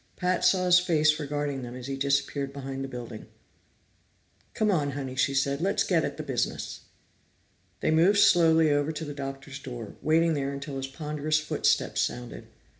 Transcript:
Pat saw his face regarding them as he disappeared behind the building. "Come on, Honey," she said. "Let's get at the business." They moved slowly over to the Doctor's door, waiting there until his ponderous footsteps sounded.